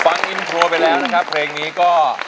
ฟังอินโทรไปแล้วนะครับเพลงนี้ก็